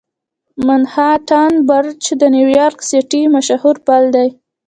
منهاټن برج د نیویارک سیټي مشهور پل دی.